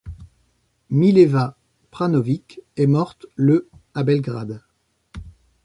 Mileva Prvanović est morte le à Belgrade.